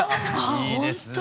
いいですね。